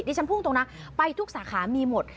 ฉันพูดตรงนะไปทุกสาขามีหมด